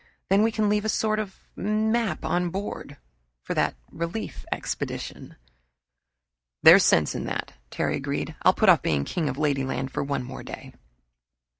Then we can leave a sort of map on board for that relief expedition." "There's sense in that," Terry agreed. "I'll put off being king of Ladyland for one more day."